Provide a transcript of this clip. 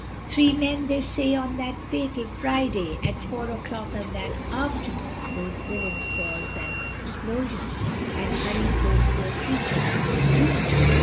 Three men they say on that fatal Friday, At four o'clock on that afternoon, Those villians caused that explosion, And hurried those poor creatures to their doom.